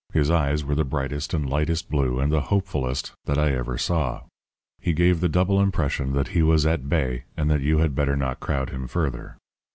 His eyes were the brightest and lightest blue and the hopefulest that I ever saw. He gave the double impression that he was at bay and that you had better not crowd him further.